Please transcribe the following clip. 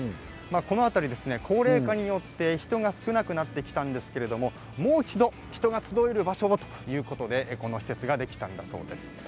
この辺り高齢化によって人が少なくなってきたんですけれどもう一度人が集える場所をということで、この施設ができたんだそうです。